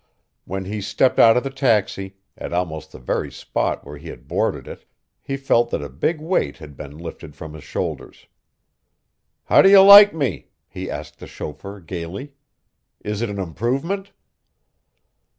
When he stepped out of the taxi, at almost the very spot where he had boarded it, he felt that a big weight had been lifted from his shoulders. "How do you like me?" he asked the chauffeur, gayly. "Is it an improvement?"